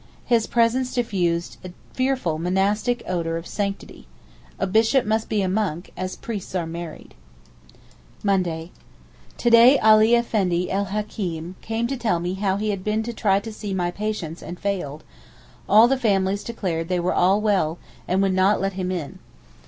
His presence diffused a fearful monastic odour of sanctity. A Bishop must be a monk, as priests are married. Monday.—To day Ali Effendi el Hakeem came to tell me how he had been to try to see my patients and failed; all the families declared they were well and would not let him in.